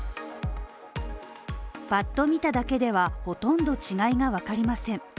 ぱっと見ただけでは、ほとんど違いがわかりません。